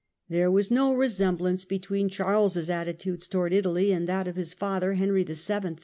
There was no resemblance between Charles's attitude towards Italy and that of his father Henry VII.